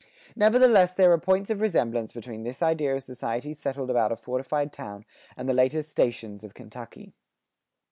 Nevertheless there are points of resemblance between this idea of societies settled about a fortified town and the later "stations" of Kentucky.